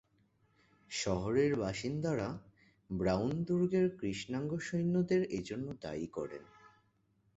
শহরের বাসিন্দারা ব্রাউন দুর্গের কৃষ্ণাঙ্গ সৈন্যদের এজন্য দায়ী করেন।